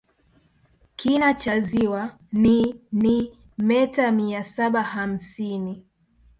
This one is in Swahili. kina cha ziwa ni ni meta mia saba hamsini